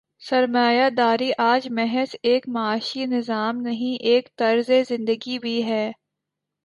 سرمایہ داری آج محض ایک معاشی نظام نہیں، ایک طرز زندگی بھی ہے۔